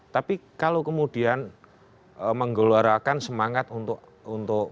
tapi kalau kemudian menggeloarakan semangat untuk